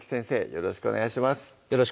よろしくお願いします